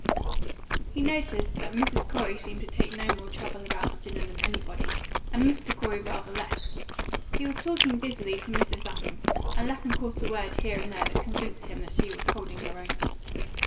He noticed that Mrs. Corey seemed to take no more trouble about the dinner than anybody, and Mr. Corey rather less; he was talking busily to Mrs. Lapham, and Lapham caught a word here and there that convinced him she was holding her own.